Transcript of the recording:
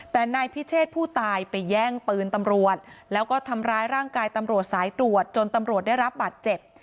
แต่นายพิเชษผู้ตายไปแย่งปืนตำรวจแล้วก็ทำร้ายร่างกายตำรวจสายตรวจจนตำรวจได้รับบาดเจ็บ